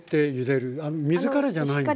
水からじゃないんでしょ？